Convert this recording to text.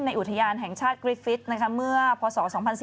อุทยานแห่งชาติกริฟฟิศเมื่อพศ๒๔